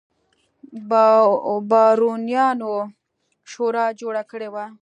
بارونیانو شورا جوړه کړې وه.